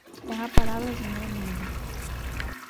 Ten a palabra a señora Muíño.